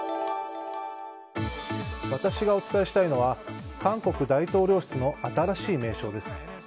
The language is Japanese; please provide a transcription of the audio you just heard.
私がお伝えしたいのは韓国大統領室の新しい名称です。